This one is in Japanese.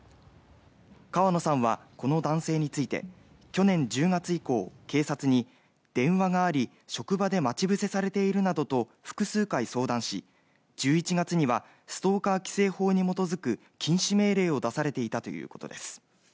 川野さんはこの男性について去年１０月以降、警察に電話があり職場で待ち伏せされているなどと複数回相談し１１月にはストーカー規制法に基づく禁止命令を出されていたということです。